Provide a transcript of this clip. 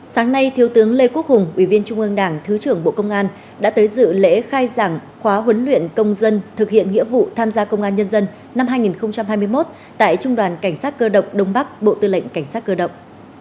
sáng nay thiếu tướng lê quốc hùng ủy viên trung ương đảng thứ trưởng bộ công an đã tới dự lễ khai giảng khóa huấn luyện công dân thực hiện nghĩa vụ tham gia công an nhân dân năm hai nghìn hai mươi một tại trung đoàn cảnh sát cơ động đông bắc bộ tư lệnh cảnh sát cơ động